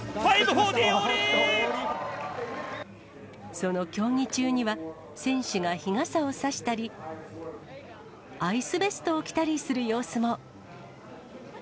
その競技中には、選手が日傘を差したり、アイスベストを着たりする様子も。